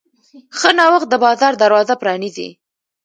ښه نوښت د بازار دروازه پرانیزي.